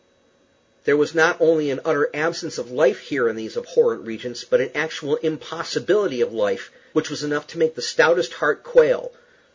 There was not only an utter absence of life here in these abhorrent regions, but an actual impossibility of life which was enough to make the stoutest heart quail.